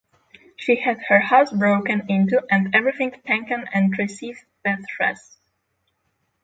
She had had her house broken into and everything taken and received death threats.